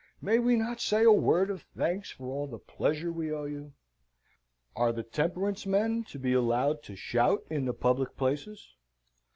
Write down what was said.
May we not say a word of thanks for all the pleasure we owe you? Are the Temperance men to be allowed to shout in the public places?